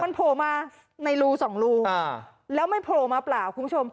มันโผล่มาในรูสองรูแล้วไม่โผล่มาเปล่าคุณผู้ชม